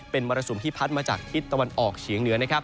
เป็นมรสุมที่พัดมาจากทิศตะวันออกเฉียงเหนือนะครับ